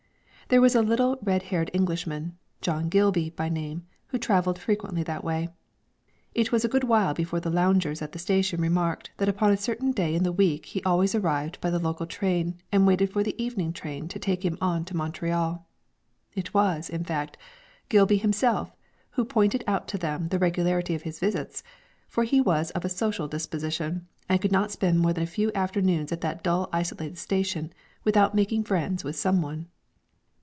There was a little red haired Englishman, John Gilby by name, who travelled frequently that way. It was a good while before the loungers at the station remarked that upon a certain day in the week he always arrived by the local train and waited for the evening train to take him on to Montreal. It was, in fact, Gilby himself who pointed out to them the regularity of his visits, for he was of a social disposition, and could not spend more than a few afternoons at that dull isolated station without making friends with some one.